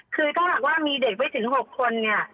คือต้องหากว่ามีเด็กไว้ถึง๖คน